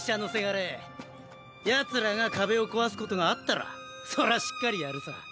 ヤツらが壁を壊すことがあったらそらしっかりやるさ。